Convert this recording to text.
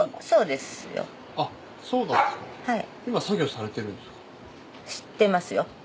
そうですよ。